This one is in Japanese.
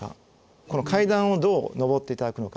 この階段をどう上っていただくのか。